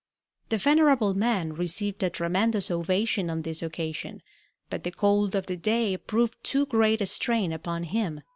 The venerable man received a tremendous ovation on this occasion, but the cold of the day proved too great a strain upon him.